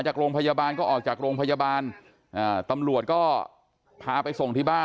จากโรงพยาบาลก็ออกจากโรงพยาบาลตำรวจก็พาไปส่งที่บ้าน